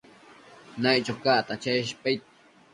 Naiccho cacta cheshpaid